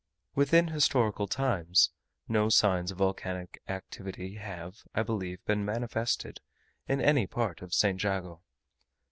Within historical times, no signs of volcanic activity have, I believe, been manifested in any part of St. Jago.